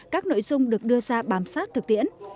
các nội dung được đưa ra bám sát thực tiễn